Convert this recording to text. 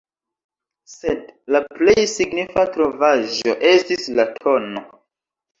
Sed la plej signifa trovaĵo estis la tn.